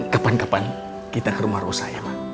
kapan kapan kita ke rumah rosa ya